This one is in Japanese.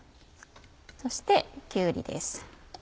そしてきゅうりです。